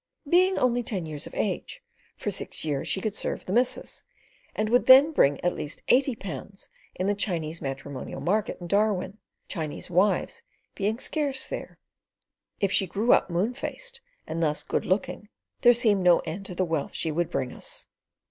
Being only ten years of age, for six years she could serve the missus, and would then bring at least eighty pounds in the Chinese matrimonial market in Darwin—Chinese wives being scarce there. If she grew up moon faced, and thus "good looking," there seemed no end to the wealth she would bring us.